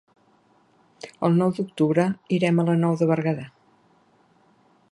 El nou d'octubre irem a la Nou de Berguedà.